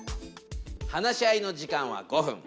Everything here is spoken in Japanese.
話し合いの時間は５分。